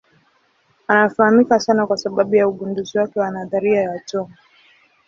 Anafahamika sana kwa sababu ya ugunduzi wake wa nadharia ya atomu.